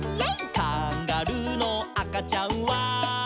「カンガルーのあかちゃんは」